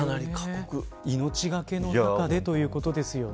命懸けの中でということですよね。